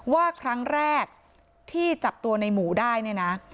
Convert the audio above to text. ว่าครั้งแรกที่จับตัวในหมูได้เนี่ยนะ